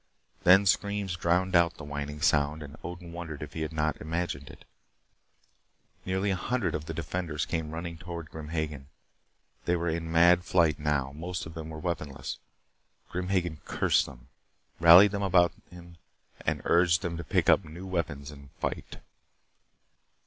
Then screams drowned out the whining sound, and Odin wondered if he had not imagined it. Nearly a hundred of the defenders came running toward Grim Hagen. They were in mad flight now. Most of them were weaponless. Grim Hagen cursed them, rallied them about him, and urged them to pick up new weapons and fight.